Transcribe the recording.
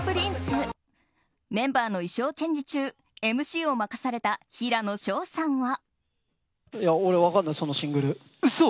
メンバーの衣装チェンジ中ＭＣを任された平野紫耀さんは。